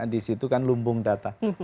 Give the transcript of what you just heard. di situ kan lumbung data